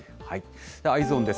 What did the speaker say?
Ｅｙｅｓｏｎです。